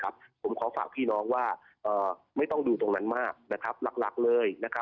ผมขอฝากพี่น้องว่าไม่ต้องดูตรงนั้นมากหลักเลย